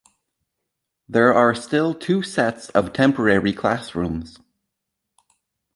There are still two sets of temporary classrooms.